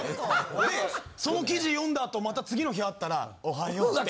でその記事読んだ後また次の日会ったら「おはよう」って。